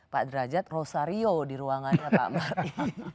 pak derajat rosario di ruangannya pak martin